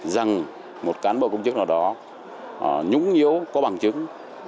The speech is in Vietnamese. rằng một cán bộ công chức nào đó nhũng nhiễu có bằng chứng